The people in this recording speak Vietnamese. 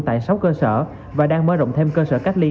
tại sáu cơ sở và đang mở rộng thêm cơ sở cách ly